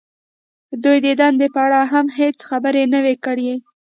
دوی د دندې په اړه هم هېڅ خبرې نه وې کړې